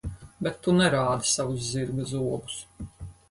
Bet tu nerādi savus zirga zobus.